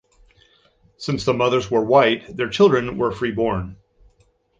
Since the mothers were white, their children were free born.